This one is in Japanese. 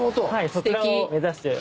そちらを目指して。